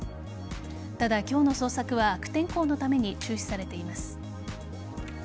ただ、今日の捜索は悪天候のために中止されています。